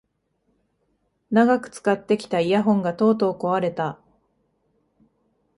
長く使ってきたイヤホンがとうとう壊れた